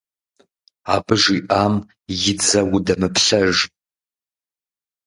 Абы жиӀам и дзэ удэмыплъэж.